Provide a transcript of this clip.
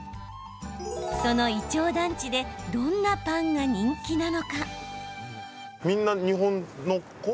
そのいちょう団地でどんなパンが人気なのか。